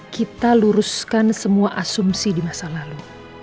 kita luruskan semua asumsi di masa lalu